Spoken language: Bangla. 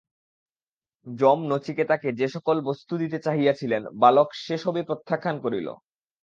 যম নচিকেতাকে যে-সকল বস্তু দিতে চাহিয়াছিলেন, বালক সে-সবই প্রত্যাখ্যান করিল।